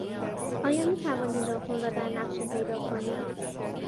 آیا میتوانی ژاپن را در نقشه پیدا کنی؟